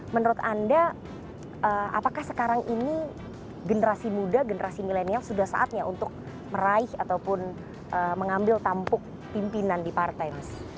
menurut anda apakah sekarang ini generasi muda generasi milenial sudah saatnya untuk meraih ataupun mengambil tampuk pimpinan di partai mas